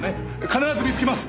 必ず見つけます！